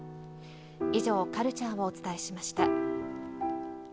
以上、カルチャーをお伝えしました。